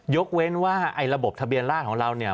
เว้นว่าไอ้ระบบทะเบียนราชของเราเนี่ย